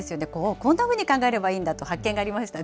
こんなふうに考えればいいんだと、発見がありましたね。